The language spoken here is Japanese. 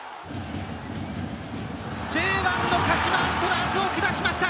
Ｊ１の鹿島アントラーズを下しました！